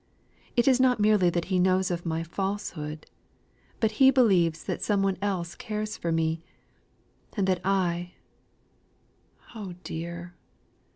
It is not merely that he knows of my falsehood, but he believes that some one else cares for me; and that I Oh dear!